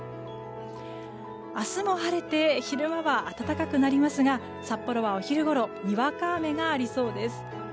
明日も晴れて昼間は暖かくなりますが札幌はお昼ごろにわか雨がありそうです。